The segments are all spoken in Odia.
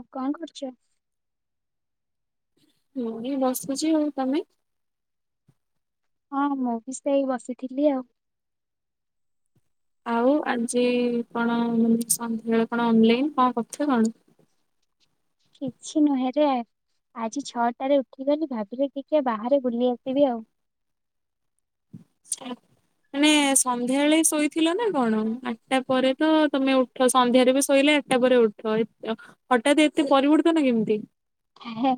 ଆଉ କଣ କରୁଚ। ମୁଁବି ବସିଚି ଆଉ ତମେ ହଁ ମୁଁବି ସେଇ ବସିଥିଲି ଆଉ ଆଉ ଆଜି କଣ ସନ୍ଧ୍ୟାରେ କଣ ଅନଲାଇନ କଣ କରୁଚ କଣ? କିଛି ନୁହେଁରେ ଆଜି ଛଅଟାରେ ଉଠିଗଲି ଭାବିଲି ଟିକେ ବାହାରେ ବୁଲି ଆସିବି ଆଉ [unintelligible] ମାନେ ସନ୍ଧ୍ୟାବେଳେ ଶୋଇଥିଲନା କଣ ଆଠଟା ପରେତ ତମେ ଉ ଠ ସନ୍ଧ୍ୟାରେବି ଶୋଇଲେ ଆଠଟା ପରେ ଉଠ ଏତେ ଅ ହଠାତ ଏତେ ପରିବର୍ତ୍ତନ କେମତି। ହେଏ।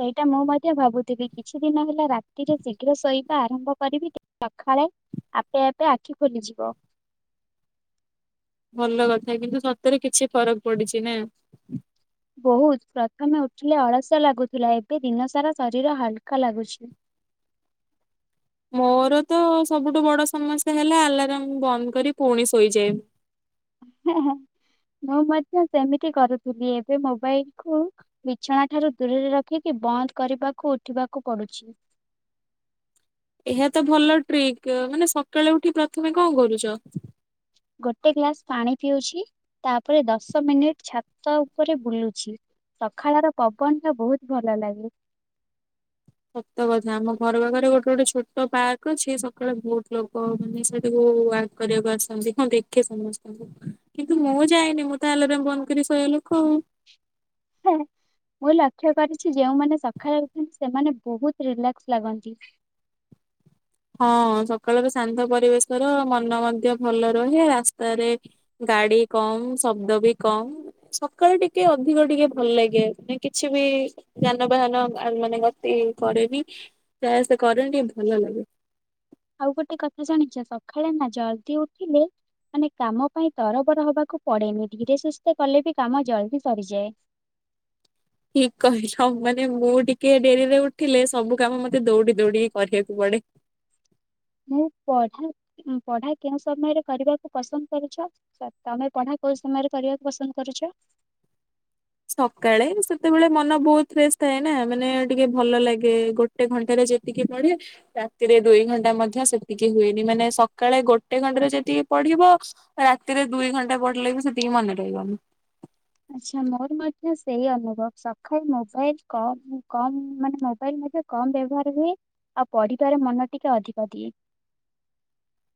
ସେଇଟା ମୁଁ ମଧ୍ୟ ଭାବୁଥିଲି କିଛିଦିନ ହେଲା ରାତିରେ ଶୀଘ୍ର ଶୋଇବା ଆରମ୍ଭ କରିବି ସକାଳେ ଆପେ ଆପେ ଆଖି ଖୋଲିଯିବ। ଭଲକଥା କିନ୍ତୁ ସତରେ କିଛି ଫରକ ପଡିଛିନା। ବହୁତ ପ୍ରଥମେ ଉଠିଲେ ଅଳସୁଆ ଲାଗୁଥିଲା ଏବେ ଦିନ ସାରା ଶରୀର ହାଲୁକା ଲାଗୁଛି। ମୋରତ ସବୁଠୁ ବଡ ସମସ୍ୟା ହେଲା ଆଲାରାମ ବନ୍ଦ କରି ପୁଣି ଶୋଇଯାଏ। ହେଁ ହେଁ ମୁଁ ମଧ୍ୟ ସେମିତି କରୁଥିଲି ଏବେ ମୋବାଇଲକୁ ବିଛଣା ଠାରୁ ଦୂରରେ ରଖିକି ବନ୍ଦ କରିବାକୁ ଉଠିବାକୁ ପଡୁଛି। ଏହାତ ଭଲ ଟ୍ରିକ ମାନେ ସକାଳେ ଉଠିକି ପ୍ରଥମେ କଣ କରୁଚ? ଗୋଟେ ଗ୍ଲାସ ପାଣି ପିଉଛି ତାପରେ ଦଶ ମିନିଟ ଛାତ ଉପରେ ବୁଲୁଛି ସକାଳ ର ପବନ ଟା ବହୁତ ଭଲ ଲାଗେ ସତ କଥା ଆମ ଘର ପାଖରେ ଗୋଟେ ଗୋଟେ ଛୋଟ ପାର୍କ ଅଛି ସକାଳେ ବହୁତ ଲୋକ ହେଉଛନ୍ତି ସେଠିକୁ କରିବାକୁ ଆସନ୍ତି ହଁ ଦେଖେ ସମସ୍ତଙ୍କୁ କିନ୍ତୁ ମୁଁ ଯାଇନି ମୁଁ ତା ଆଲାରମ୍ ବନ୍ଦ କରି ସୋଇବା ଲୋ କ ଆଉ ହୁଁ ମୁଁ ଲକ୍ଷ୍ୟ କରିଛି ଯେଉମାନେ ସକାଳେ ଉଠନ୍ତି ସେମାନେ ବହୁତ ରିଲାକ୍ସ ଲାଗନ୍ତି ହଁ ସକାଳର ଶାନ୍ତ ପରିବେଶ ମନ ମଧ୍ୟ ଭଲ ରହେ ରାସ୍ତାରେ ଗାଡି କମ ଶବ୍ଦ ବି କମ୍ ସକାଳୁ ଟିକେ ଅଧିକ ଟିକେ ଭଲ ଲାଗେ ମାନେ କିଛି ବି ଯାନବାହାନ ମାନେ ଗତି କରେନି ଯହା ଆସେ କରେନି ଟିକେ ଭଲ ଲାଗେ ଆଉ ଗୋଟେ କଥା ଜାଣିଛ ସକାଳେ ନା ଜଲଦି ଉଠିଲେ ମାନେ କାମ ପାଇଁ ତରବର ହବାକୁ ପଡେନି ଧୀରେ ସୁସ୍ତେ କଲେ ବି କାମ ଜଲଦି ସରିଯାଏ ଠିକ କହିଲ ମାନେ ମୁଁ ଟିକେ ଡେରିରେ ଉଠିଲେ ସବୁ କାମ ମତେ ଦୌଡି ଦୌଡି କରିବାକୁ ପଡେ ମୁଁ ପଢା ପଢା କେଉଁ ସମୟରେ କରିବାକୁ ପସନ୍ଦ କରୁଛ ତମେ ପଢା କୋଉ ସମୟରେ କରିବାକୁ ପସନ୍ଦ କରୁଛ ସକାଳେ ସେତେବେଳେ ମନ ବହୁତ ଫ୍ରେଶ ଥାଏ ନା ମାନେ ଟିକେ ଭଲ ଲାଗେ ଗୋଟେ ଗୋଟେ ଘଣ୍ଟାରେ ଯେତିକି ପଡେ ରାତିରେ ଦୁଇ ଘଣ୍ଟା ମଧ୍ୟ ସେତିକି ହୁଏନି ମାନେ ସକାଳେ ଗୋଟେ ଘଣ୍ଟାରେ ଯତିକି ପଢିବ ରାତିରେ ଦୁଇ ଘଣ୍ଟା ପଡିଲେ ବିି ସେତିକି ମନେ ରହିବନି ଆଛା ମୋର ମଧ୍ୟ ସେଇ ଅନୁଭବ ସକାଳେ ମୋବାଇଲ କ କମ ମାନେ ମୋବାଇଲ ମଧ୍ୟ କମ ବ୍ୟବହାର ହୁଏ ଆଉ ପଢିବାରେ ମନ ଟିକେ ଅଧିକ ଦିଏ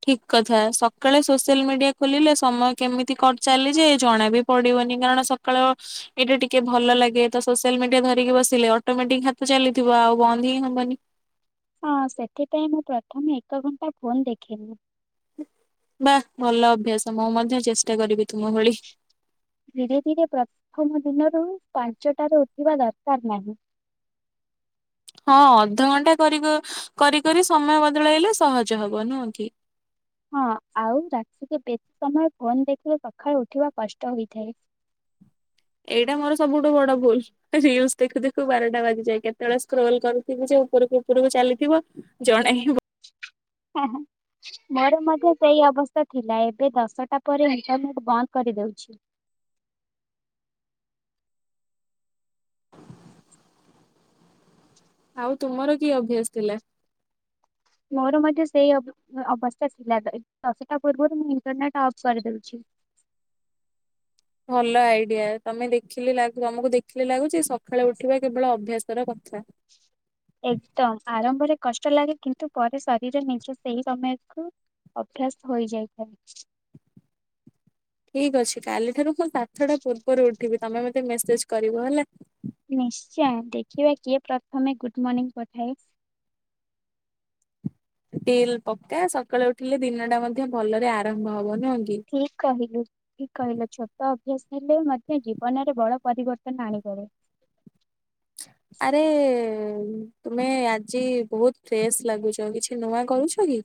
ଠିକ କଥା ସକାଳେ ସୋସିଆଲ ମିଡ଼ିଆ ଖୋଲିଲେ ସମୟ କେମିତି ଚାଲିଯାଏ ଜଣା ବି ପଡ଼ିବନି କାରଣ ସକାଳ ଏଇଟା ଟିକେ ଭଲ ଲାଗେ ତ ସୋସିଆଲ ମିଡିଆ ଧରିକି ବସିଲେ ଅଟୋମେଟିକ ହାତ ଚାଲେ ଥିବ ଆଉ ବନ୍ଦ ହିଁ ହବନି ହଁ ସେଥିପାଇଁ ମୁଁ ପ୍ରଥମେ ଏକ ଘଣ୍ଟା ଫୋନ୍ ଦେଖେନି ବା ଭଲ ଅଭ୍ୟାସ ମୁଁ ମଧ୍ୟ ଚେଷ୍ଟା କରିବି ତୁମ ଭଳି ଧୀରେ ଧୀରେ ପ୍ରଥମ ଦିନରୁ ପାଞ୍ଚଟ ରୁ ଉଠିବା ଦରକାର ନାହିଁ ହଁ ଅଧଘଣ୍ଟା କରି କରି କରି ସମୟ ବଦଳାଇଲେ ସହଜ ହବ ନୁହଁ କି ହଁ ଆଉ ରାତିରେ ବେଶୀ ସମୟ ଫୋନ ଦେଖିଲେ ସକାଳେୁ ଉଠିବା କଷ୍ଟ ହୋଇଥାଏ ଏଇଟା ମୋର ସବୁଠୁ ବଡ ଭୁଲ ରିଲସ୍ ଦେଖୁ ଦେଖୁ ବାରଟା ବାଜିଯାଏ କେତେବେଳେ ସ୍କ୍ରଲ କରୁଥିବ ଯେ ଉପର କୁ ଉପୂରକୁ ଚାଲିଥିବ ଜଣେ ହଁ ହ ମୋର ମଧ୍ୟ ସେଇ ଅବସ୍ଥା ଥିଲା ଏବେ ଦଶଟା ପରେ ଇଣ୍ଟରନେଟ ବନ୍ଦ କରିଦଉଛି ଆଉ ତୁମର କି ଅଭ୍ୟାସ ଥିଲା ମୋର ମଧ୍ୟ ସେଇ ଅବସ୍ଥା ଥିଲା ଦଶଟା ପୂର୍ବରୁ ମୁଁ ଇଣ୍ଟରନେଟ ଅଫ କରିଦଉଛି ଭଲ ଆଇଡିଆ ତମେ ଦେଖିଲି ତମକୁ ଦେଖିଲେ ଲାଗୁଛି ସକାଳେ ଉଠିବା କେବଳ ଅଭ୍ୟାସର କଥା [inaudible] ଏକଦମ ଆରମ୍ଭରେ କଷ୍ଟ ଲାଗେ କିନ୍ତୁ ପରେ ଶରୀର ନିଜେ ସେଇ ସମୟକୁ ଅଭ୍ୟାସ ହୋଇଯାଇଥାଏ ଠିକ ଅଛି କାଲି ଠାରୁ ମୁଁ ସାତଟା ପୂର୍ବରୁ ଉଠିବି ତମେ ମତେ ମେସେଜ କରିବ ହେଲା ନିଶ୍ଚୟ ଦେଖିବା କିଏ ପ୍ରଥମେ ଗୁଡ ମର୍ଣିଂ ପଠାଏ ଡିଲ୍ ପକ୍କା ସଖାଳୁ ଉଠିଲେ ଦିନ ଟା ମଧ୍ୟ ଭଲରେ ଆରମ୍ଭ ହବ ନୁହଁ କି ଠିକ୍ କହିଲୁ। ଠିକ୍ କହିଲ ଛୋଟ ଅଭ୍ୟାସ ହେଲେ ମଧ୍ୟ ଜୀବନରେ ବଡ ପରିବର୍ତ୍ତନ ଆଣିପାରେ। ଆରେ ତୁମେ ଆଜି ବହୁତ ଫ୍ରେଶ ଲାଗୁଛ। କିଛି ନୂଆ କରୁଛ କି?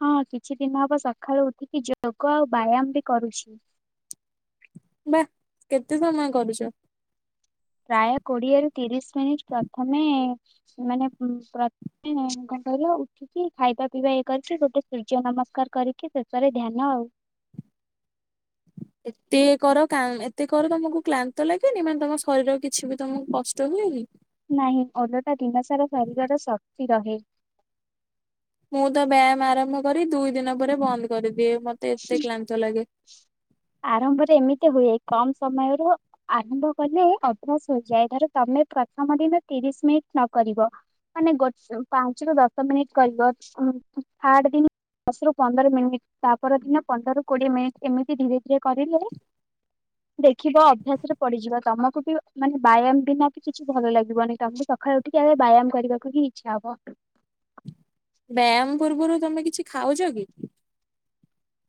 ହଁ କିଛି ଦିନ ହବ ସକାଳୁ ଉଠିକି ଯୋଗ ଆଉ ବ୍ୟାୟାମ ବି କରୁଚି। ବାଃ କେତେ ସମୟ କରୁଚ? ପ୍ରାୟ କୋଡିଏରୁ ତିରିଶ ମିନିଟ୍ ପ୍ରଥମେ ମାନେ ପ୍ର ହୁଁ କଣ କହିଲ? କି ଖାଇବା ପିଇବା ଇଏ କରିକି ଗୋଟେ ସୂର୍ଯ୍ୟ ନମସ୍କାର କରିକି ଶେଷରେ ଧ୍ୟାନ ଆଉ। ଏତେ କର କା ଏତେ କର ତମକୁ କ୍ଳାନ୍ତ ଲାଗେନି। ମାନେ ତମ ଶରୀର କିଛି ବି ତମକୁ କଷ୍ଟ ହୁଏନି? ନାହିଁ ଓଲୋଟା ଦିନ ସାରା ଶରୀରର ଶକ୍ତି ରହେ। ମୁଁ ତ ବ୍ୟାୟାମ ଆରମ୍ଭ କରି ଦୁଇ ଦିନ ପରେ ବନ୍ଦ କରିଦିଏ ମତେ ଏତେ କ୍ଳାନ୍ତ ଲାଗେ। ଆରମ୍ଭରେ ଏମିତି ହୁଏ କମ ସମୟରୁ ଆରମ୍ଭ କଲେ ଅଭ୍ୟାସ ହୋଇଯାଏ ‌। ଧର ତମେ ପ୍ରଥମ ଦିନ ତିରିଶ ମିନିଟ ନ କରିବ ମାନେ ଗୋଟ ପାଞ୍ଚରୁୁ ଦଶ ମିନିଟ୍ କରିବ ଥାଡ ଦିନ ଦଶ ରୁ ପନ୍ଦର ମିନିଟ୍ ତାପ ଦିନ ପନ୍ଦରରୁ କୋଡିଏ ମିନିଟ୍ ଏମିତି ଧୀରେ ଯିଏ କରି ଦିଏ ଦେଖିବ ଅଭ୍ୟାସ ରେ ପଡିଯିବ ତମକୁ ବି ମାନେ ବ୍ୟାୟାମ ବିନା କିଛି ଭଲ ଲାଗିବନି ତମକୁ ସକାଳୁ ଉଠିକି ଆଗେ ବ୍ୟାୟାମ କରିବାକୁ ହିଁ ଇଚ୍ଛା ହବ। ବ୍ୟାୟାମ ପୂର୍ବରୁ ତୁମେ କିଛି ଖାଉଛ କି?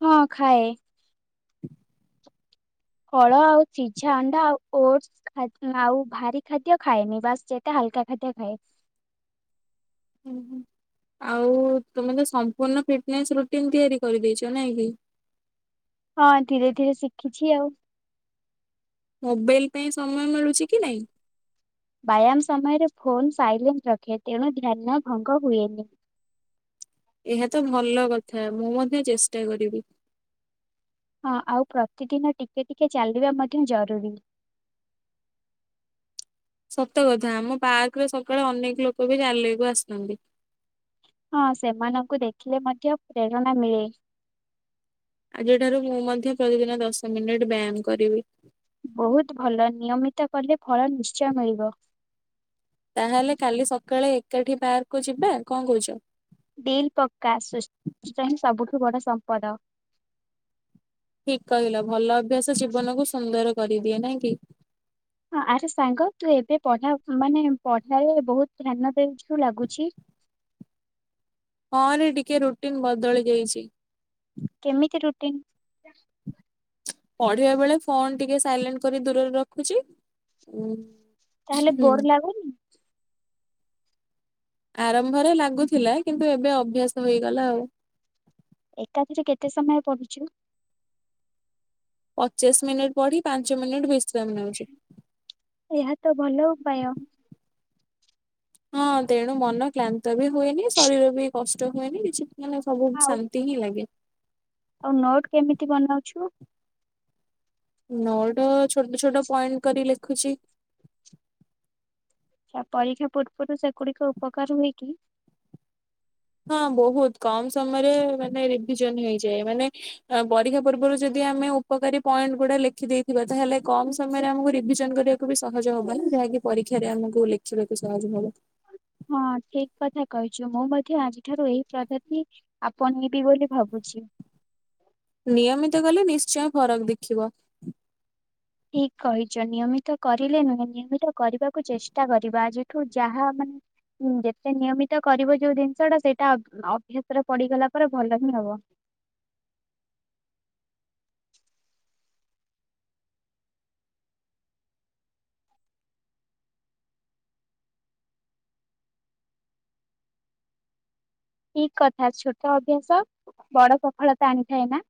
ହଁ ଖାଏ। ଫଳ ଆଉ ସିଝା ଅଣ୍ଡା ଆଉ ଓଡ୍ସ ଆଉ ଭାରି ଖାଦ୍ୟ ଖାଏନି ବାସ୍ ଯେତେ ହାଲକା ଖାଦ୍ୟ ଖାଏ। ଆଉ ତୁମେ ତ ସମ୍ପୂର୍ଣ୍ଣ ଫିଟ୍ ନେସ ରୁଟିନ ତିଆରି କରିଦେଇଛ। ନାଇଁ କି? ହଁ ଧୀରେ ଧୀରେ ଶିଖିଛି ଆଉ। ମୋବାଇଲ ପାଇଁ ସମୟ ମିଳୁଛି କି ନାଇଁ? ବ୍ୟାୟାମ ସମୟରେ ଫୋନ ସାଇଲେଣ୍ଟ ରଖେ ତେଣୁ ଧ୍ୟାନ ଭଙ୍ଗ ହୁଏନି। ଏହା ତ ଭଲ କଥା ମୁଁ ମଧ୍ୟ ଚେଷ୍ଟା କରିବି। ହଁ ଆଉ ପ୍ରତିଦିନ ଟିକେ ଟିକେ ଚାଲିବା ମଧ୍ୟ ଜରୁରୀ। ସତ କଥା ଆମ ପାର୍କରେ ସକାଳେ ଅନେକ ଲୋକ ବି ଚାଲେଆକୁ ଆସୁଛନ୍ତି। ହଁ ସେମାନଙ୍କୁ ଦେଖିଲେ ମଧ୍ୟ ପ୍ରେରଣା ମିଳେ ‌। ଆଜି ଠାରୁ ମୁଁ ମଧ୍ୟ ପ୍ରତିଦିନ ଦଶ ମିନିଟ ବ୍ୟାୟାମ କରିବି। ବୋହୁତ ଭଲ ନିୟମିତ କଲେ ଫଳ ନିଶ୍ଚୟ ମିଳିବ। ତାହେଲେ କାଲି ସକାଳେ ଏକାଠି ପାର୍କୁ ଯିବା। କଣ କହୁଛ? ଡିଲ୍ ପକ୍କା ସୁ ସୁସ୍ଥ ହିଁ ହିଁ ସବୁଠୁ ବଡ ସମ୍ପଦ। ଠିକ କହିଲ। ଭଲ ଅଭ୍ୟାସ ଜୀବନକୁ ସୁନ୍ଦର କରିଦିଏ ନାଇଁ କି? ହଁ ଆରେ ସାଙ୍ଗ ତୁ ଏବେ ପଢା ମାନେ ପଢାରେ ବୋହୁତ ଧ୍ୟାନ ଦେଉଛୁ ଲାଗୁଛି। ହଁରେ ଟିକେ ରୁଟିନ ବଦଳି ଯାଇଛି। କେମିତି ରୁଟିନ୍? ପଢିବା ବେଳେ ଫୋନ ଟିକେ ସାଇଲେଣ୍ଟ କରି ଦୂରରେ ରଖୁଛି। ଉଁ ତାହେଲେ ହୁଁ ବୋର ଲାଗୁନି? ଆରମ୍ଭରେ ଲାଗୁଥିଲା କିନ୍ତୁ ଏବେ ଅଭ୍ୟାସ୍ତ ହେଇଗଲା ଆଉ। ଏକାଥରେ କେତେ ସମୟ ପଡୁଛୁ? ପଚାଶ ମିନିଟ୍ ପଢି ପାଞ୍ଚ ମିନିଟ୍ ବିଶ୍ରାମ ନେଉଛି। ଏହା ତ ଭଲ ଉପାୟ। ହଁ ତେଣୁ ମନ କ୍ଳାନ୍ତ ବି ହୁଏନି ଶରୀର ବି କଷ୍ଟ ହୁଏନି କିଛି ମାନେ ସବୁ ଆଉ ଶାନ୍ତି ହିଁ ଲାଗେ। ଆଉ ନୋଟ୍ କେମିତି ବନାଉଛୁ? ନୋଟ୍ ଛୋଟ ଛୋଟ ପଏଣ୍ଟ୍ କରି ଲେଖୁଚି। ଆ ପରୀକ୍ଷା ପୂର୍ବରୁ ସେଗୁଡିକ ଉପକାର ହୁଏ କି? ହଁ ବହୁତ୍ କମ୍ ସମୟରେ ମାନେ ରିଭିଜନ୍ ହେଇଯାଏ ମାନେ ପରୀକ୍ଷା ପୂର୍ବରୁ ଯଦି ଆମେ ଉପକାରୀ ପଏଣ୍ଟ୍ ଗୁଡା ଲେଖି ଦେଇଥିବା ତାହେଲେ କମ୍ ସମୟରେ ଆମକୁ ରିଭିଜନ୍ କରିବାକୁ ବି ସହଜ ହବନି ଯାହାକି ପରୀକ୍ଷାରେ ଆମକୁ ଲେଖିବାକୁ ସହଜ ହବ। ହଁ ଠିକ୍ କଥା କହିଚୁ ମୁଁ ମଧ୍ୟ ଆଜି ଠାରୁ ଏଇ ପଧତି ଆପନ୍ନେବି ବୋଲି ଭାବୁଛି। ନିୟମିତ କଲେ ନିଶ୍ଚୟ ଫରକ୍ ଦେଖିବ ଠିକ୍ କହିଚ ନିୟମିତ କରିଲେ ନୁହେଁ ନିୟମିତ କରିବାକୁ ଚେଷ୍ଟା କରିବା ଆଜିଠୁ ଯାହା ମାନେ ହୁଁ ଯେତେ ନିୟମିତ କରିବ ଯୋଉ ଜିନିଷ ଟା ସେଇଟା ଅଭ୍ୟାସରେ ପଡିଗଲା ପରେ ଭଲ ହିଁ ହବ। ଠିକ୍ କଥା ଛୋଟ ଅଭ୍ୟାସ ବଡ ସଫଳତା ଆଣିଥାଏ ନା।